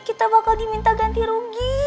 kita bakal diminta ganti rugi